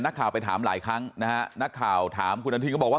นักข่าวไปถามหลายครั้งนะฮะนักข่าวถามคุณอนุทินก็บอกว่า